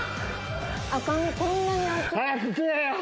赤身こんなに厚い。